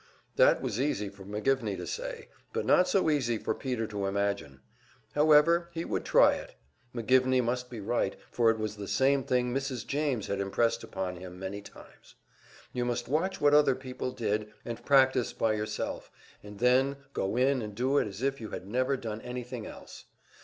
That was easy for McGivney to say, but not so easy for Peter to imagine. However, he would try it; McGivney must be right, for it was the same thing Mrs. James had impressed upon him many times. You must watch what other people did, and practice by yourself, and then go in and do it as if you had never done anything else.